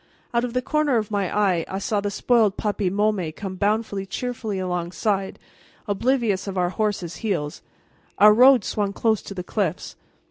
Out of the corner of my eye I saw the spoiled puppy Môme come bounding cheerfully alongside, oblivious of our horses' heels. Our road swung close to the cliffs.